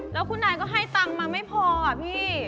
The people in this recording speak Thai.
แล้วคุณนายก็ให้ตังค์มาไม่พออะพี่